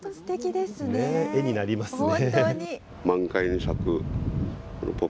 絵になりますね。